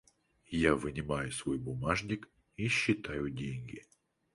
Я вынимаю свой бумажник и считаю деньги.